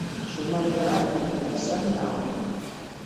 Sumarioa epaiketa zain dago.